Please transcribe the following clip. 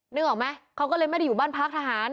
นึกออกไหมเขาก็เลยไม่ได้อยู่บ้านพักทหาร